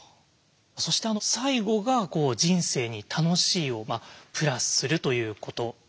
そして最後が「人生に『楽しい』をプラス」するということです。